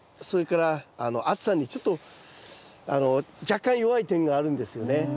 それから暑さにちょっと若干弱い点があるんですよね。